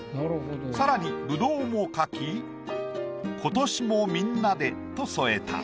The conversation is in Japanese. さらにぶどうも描き「今年もみんなで」と添えた。